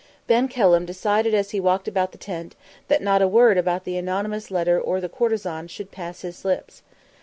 Ben Kelham decided as he walked about the tent that not a word about the anonymous letter or the courtesan should pass his lips.